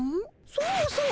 そうそう。